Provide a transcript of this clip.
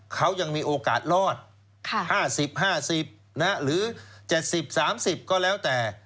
เขายังมีโอกาสรอด๕๐๕๐หรือ๗๐๓๐ก็แล้วแต่